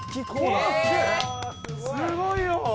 「すごいよ！」